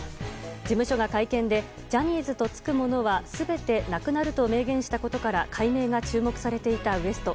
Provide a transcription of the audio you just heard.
事務所が会見でジャニーズとつくものは全てなくなると明言したことから解明が注目されていたＷＥＳＴ．。